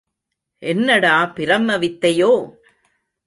என்னடா பிரம்ம வித்தையோ?